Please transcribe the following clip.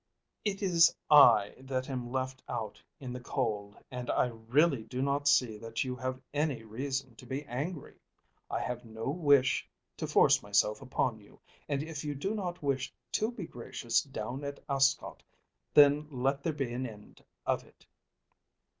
It is I that am left out in the cold, and I really do not see that you have any reason to be angry. I have no wish to force myself upon you, and if you do not wish to be gracious down at Ascot, then let there be an end of it.